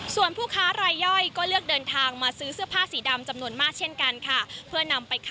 ส่วนผู้ค้ารายย่อยก็เลือกเดินทางมาซื้อเสื้อผ้าสีดำจำนวนมากเช่นกันค่ะ